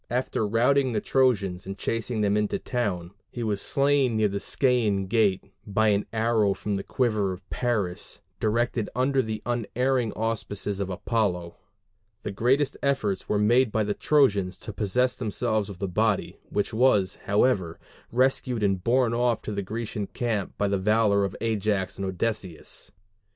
After routing the Trojans and chasing them into the town, he was slain near the Scæan gate by an arrow from the quiver of Paris, directed under the unerring auspices of Apollo. The greatest efforts were made by the Trojans to possess themselves of the body, which was, however, rescued and borne off to the Grecian camp by the valor of Ajax and Odysseus.